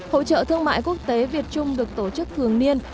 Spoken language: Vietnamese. hội trợ thương mại quốc tế việt trung được tổ chức thường niên